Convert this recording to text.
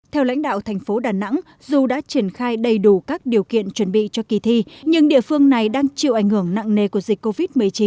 theo lãnh đạo thành phố đà nẵng dù đã triển khai đầy đủ các điều kiện chuẩn bị cho kỳ thi nhưng địa phương này đang chịu ảnh hưởng nặng nề của dịch covid một mươi chín